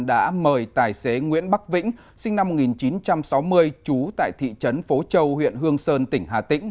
đã mời tài xế nguyễn bắc vĩnh sinh năm một nghìn chín trăm sáu mươi trú tại thị trấn phố châu huyện hương sơn tỉnh hà tĩnh